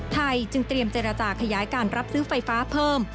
จึงเตรียมเจรจาขยายการรับซื้อไฟฟ้าเพิ่ม